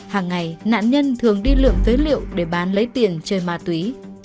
hàng ngày nạn nhân thường đi lượm phế liệu để bán lấy tiền chơi ma túy